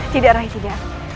tidak rai tidak